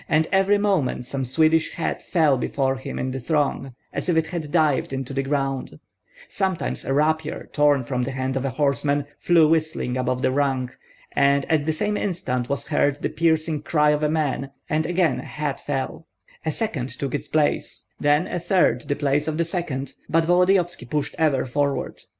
And every moment some Swedish hat fell before him in the throng, as if it had dived into the ground; sometimes a rapier, torn from the hand of a horseman, flew whistling above the rank, and at the same instant was heard the piercing cry of a man, and again a hat fell; a second took its place, then a third the place of the second; but Volodyovski pushed ever forward.